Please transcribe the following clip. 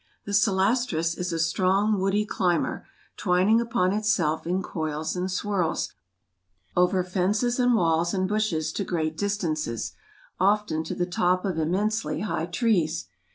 The Celastrus is a strong, woody climber, twining upon itself in coils and swirls, over fences and walls and bushes to great distances, often to the top of immensely high trees.